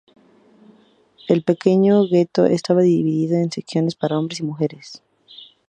El pequeño gueto estaba dividido en secciones para hombres y mujeres.